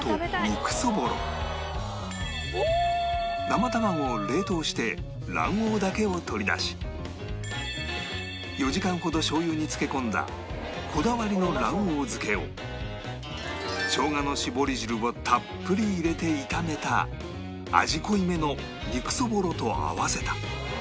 生卵を冷凍して卵黄だけを取り出し４時間ほどしょう油に漬け込んだこだわりの卵黄漬けを生姜の搾り汁をたっぷり入れて炒めた味濃いめの肉そぼろと合わせた